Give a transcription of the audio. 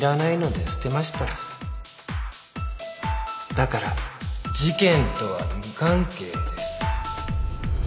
だから事件とは無関係です。